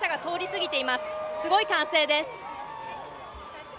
すごい歓声です。